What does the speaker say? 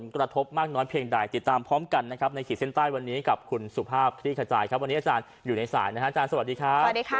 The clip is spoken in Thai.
กระทบมากน้อยเพียงใดติดตามพร้อมกันนะครับในขีดเส้นใต้วันนี้กับคุณสุภาพคลี่ขจายครับวันนี้อาจารย์อยู่ในสายนะฮะอาจารย์สวัสดีครับ